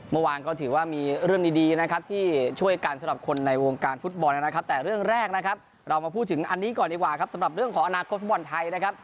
เมื่อวานก็ถือว่ามีเรื่องดีนะครับที่ช่วยกันสำหรับคนในวงการฟุตบอลนะครับแต่เรื่องแรกนะครับเรามาพูดถึงอันนี้ก่อนดีกว่าครับสำหรับเรื่องของอนาคตฟุตบอลไทยนะครับ